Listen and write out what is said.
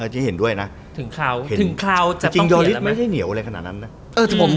ถึงเขาจริงยอริสไม่ได้เหนียวอะไรขนาดนั้นนะ